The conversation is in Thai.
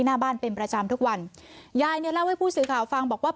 หน้าบ้านเป็นประจำทุกวันยายเนี่ยเล่าให้ผู้สื่อข่าวฟังบอกว่า